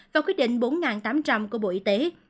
và quyết định bốn tám trăm linh của bộ y tế